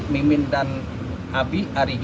mm dan ab ar dan ig